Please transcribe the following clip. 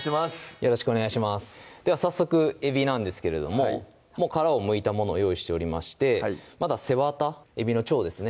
よろしくお願いしますでは早速えびなんですけれどももう殻をむいたものを用意しておりましてまだ背わたえびの腸ですね